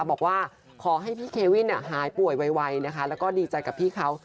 บอกว่าขอให้พี่เควินหายป่วยไวนะคะแล้วก็ดีใจกับพี่เขา